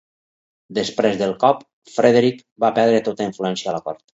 Després del cop, Frederic va perdre tota influència a la cort.